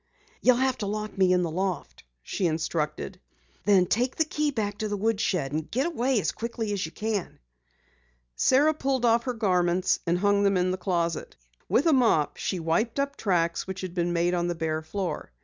"You'll have to lock me in the loft," she instructed. "Then take the key back to the woodshed and get away as quickly as you can." Sara pulled off her garments and hung them in the closet. With a mop she wiped up tracks which had been made on the bare floor.